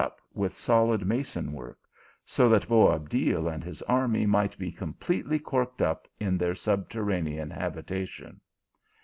up with solid mason work, so that Boabdil and his army might be completely corked up in their sub terranean habitation.